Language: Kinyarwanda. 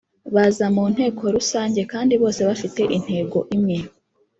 Baza mu nteko rusange kandi bose bafite intego imwe